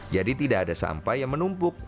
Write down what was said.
jadi tidak ada sampah yang menumpuk